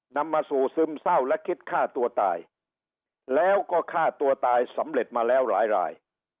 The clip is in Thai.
นำมาสู่ซึมเศร้าและคิดฆ่าตัวตายแล้วก็ฆ่าตัวตายสำเร็จมาแล้วหลายราย